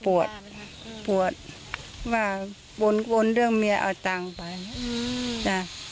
เพราะว่าปวดว่าวนเรื่องเมียเอาเงินไป